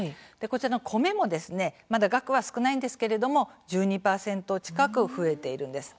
こちらの米もまだ額は少ないんですけれども１２％近く増えているんです。